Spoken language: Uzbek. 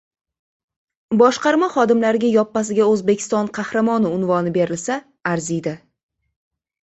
Boshqarma xodimlariga yoppasiga “Oʻzbekiston qahramoni” unvoni berilsa arziydi.